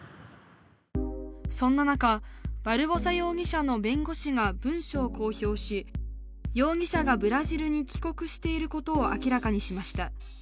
そんな中、バルボサ容疑者の弁護士が文書を公表し容疑者がブラジルに帰国していることを明らかにしました。